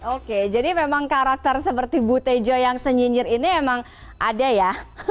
oke jadi memang karakter seperti bu tejo yang senyinyir ini emang ada ya